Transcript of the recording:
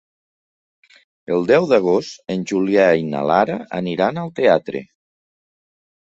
El deu d'agost en Julià i na Lara aniran al teatre.